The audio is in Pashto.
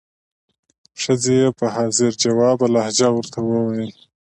ښځې یې په حاضر جوابه لهجه ورته وویل.